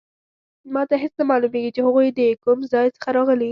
ما ته هیڅ نه معلومیږي چې هغوی د کوم ځای څخه راغلي